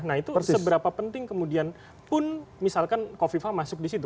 nah itu seberapa penting kemudian pun misalkan kofifa masuk di situ